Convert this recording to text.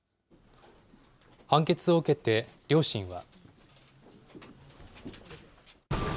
判決を受けて両親は。